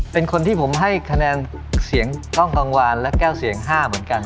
เป็นคนที่ผมให้คะแนนเสียงช่องกลางวานและแก้วเสียง๕เหมือนกัน